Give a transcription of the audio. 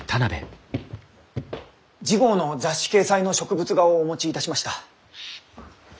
次号の雑誌掲載の植物画をお持ちいたしました。